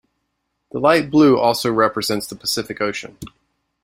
The light blue also represents the Pacific Ocean.